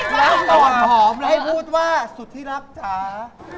แล้วตอนหอมให้พูดว่าสุดที่รักจ้า